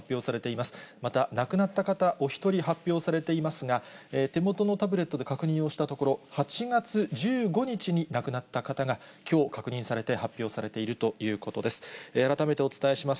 また、亡くなった方、お１人発表されていますが、手元のタブレットで確認したところ、８月１５日に亡くなった方がきょう、確認されて発表されているということです。